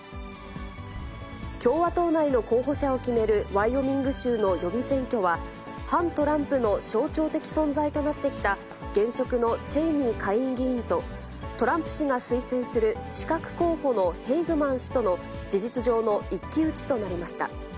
共和党内の候補者を決める、ワイオミング州の予備選挙は、反トランプの象徴的存在となってきた、現職のチェイニー下院議員と、トランプ氏が推薦する刺客候補のヘイグマン氏との事実上の一騎打ちとなりました。